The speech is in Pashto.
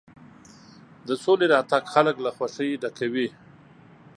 د سولې راتګ خلک له خوښۍ ډکوي.